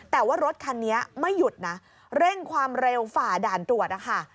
แต่ว่ารถคันนี้ไม่หยุดนะเร่งความเร็วฝ่าด่านตรวจนะคะ